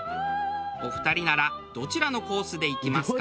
お二人ならどちらのコースで行きますか？